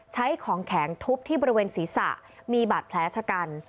ใช้ของแข็งทุบที่บริเวณศีรษะมีบาดแผลชะกัน